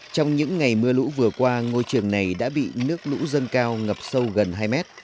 trong những ngày mưa lũ vừa qua ngôi trường này đã bị nước lũ dâng cao ngập sâu gần hai mét